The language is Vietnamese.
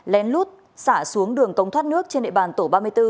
lén lút xả xuống đường cống thoát nước trên địa bàn tổ ba mươi bốn